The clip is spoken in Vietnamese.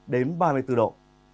hai mươi bốn đến ba mươi bốn độ